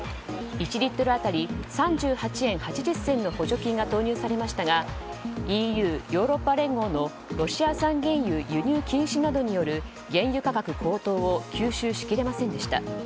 １リットル当たり３８円８０銭の補助金が投入されましたがＥＵ・ヨーロッパ連合のロシア産原油輸入禁止などによる原油価格高騰を吸収しきれませんでした。